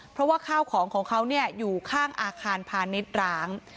เพราะว่าข้าวของของเขาอยู่ข้างอาคารพาณิชย์ร้าง